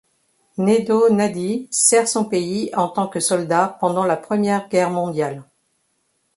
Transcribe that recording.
Nedo Nadi sert son pays en tant que soldat pendant la Première Guerre mondiale.